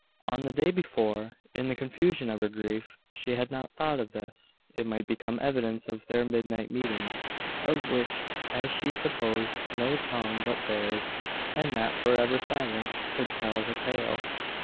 On the day before, in the confusion of her grief, she had not thought of this. It might become evidence of their midnight meeting; of which, as she supposed, no tongue but theirs and that for ever silent could tell the tale.